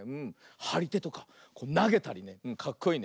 はりてとかなげたりねかっこいいね。